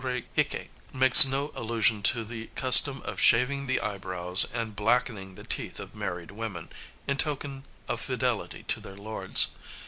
The author of the "Sho rei Hikki" makes no allusion to the custom of shaving the eyebrows and blackening the teeth of married women, in token of fidelity to their lords.